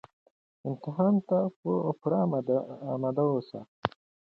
امتحان ته پوره اماده اوسه